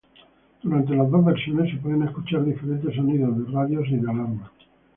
Durante las dos versiones se pueden escuchar diferentes sonidos de radios y de alarmas.